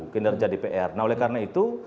kinerja dpr nah oleh karena itu